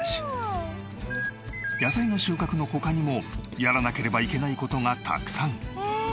野菜の収穫の他にもやらなければいけない事がたくさん！